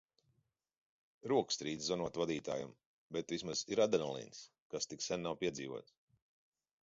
Rokas trīc zvanot vadītājam, bet vismaz ir adrenalīns, kas tik sen nav piedzīvots.